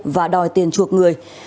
và đòi tiền chuộc nội